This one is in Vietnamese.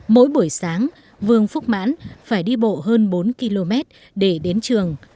mỗi buổi sáng vương phúc mãn phải đi bộ hơn bốn km để đến trường